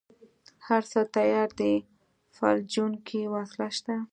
هره څه تيار دي فلجوونکې وسله شته.